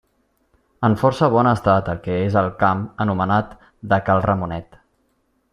En força bon estat el que és al camp anomenat de Cal Ramonet.